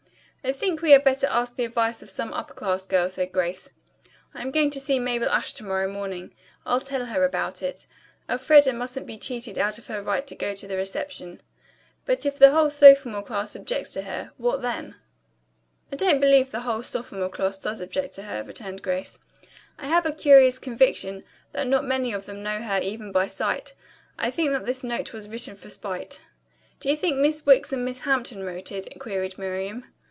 "I think we had better ask the advice of some upper class girl," said Grace. "I'm going to see Mabel Ashe to morrow morning. I'll tell her about it. Elfreda mustn't be cheated out of her right to go to the reception." "But if the whole sophomore class objects to her, what then?" "I don't believe the whole sophomore class does object to her," returned Grace. "I have a curious conviction that not many of them know her even by sight. I think that this note was written for spite." "Do you think Miss Wicks and Miss Hampton wrote it?" queried Miriam.